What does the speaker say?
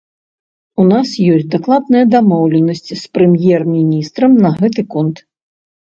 У нас ёсць дакладныя дамоўленасці з прэм'ер-міністрам на гэты конт.